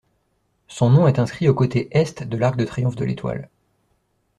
Son nom est inscrit au côté Est de l'arc de triomphe de l'Étoile.